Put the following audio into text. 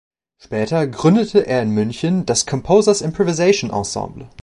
Später gründete er in München das "Composers Improvisation Ensemble".